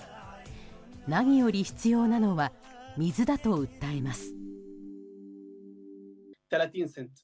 何より必要なのは水だと訴えます。